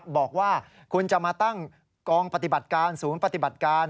บอกว่าคุณจะมาตั้งกองปฏิบัติการศูนย์ปฏิบัติการ